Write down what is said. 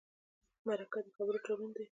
مرکه د خبرو تړون دی.